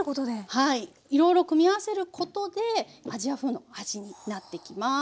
はいいろいろ組み合わせることでアジア風の味になっていきます。